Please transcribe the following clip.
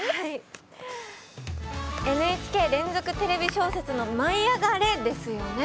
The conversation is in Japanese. ＮＨＫ連続テレビ小説の「舞いあがれ！」ですよね！